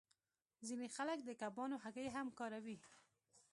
ځینې خلک د کبانو هګۍ هم کاروي